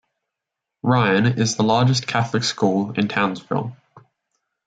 Ryan is the largest Catholic school in Townsville.